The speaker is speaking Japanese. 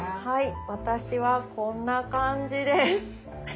はい私はこんな感じです。